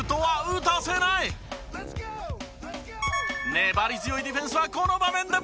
粘り強いディフェンスはこの場面でも。